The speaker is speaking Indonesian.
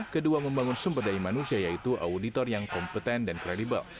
kedua membangun sumber daya manusia yaitu auditor yang kompeten dan kredibel